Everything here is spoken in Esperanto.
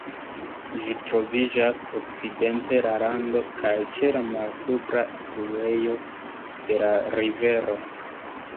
Ĝi troviĝas okcidente la lando kaj ĉe la malsupra fluejo de la rivero.